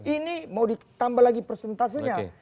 ini mau ditambah lagi persentasenya